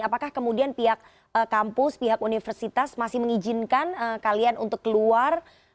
apakah kemudian pihak kampus pihak universitas masih mengizinkan kalian untuk keluar